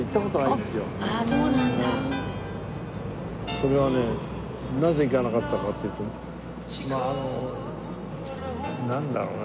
それはねなぜ行かなかったかっていうとまああのなんだろうな。